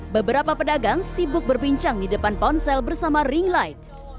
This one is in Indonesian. beberapa pedagang sibuk berbincang di depan ponsel bersama ring light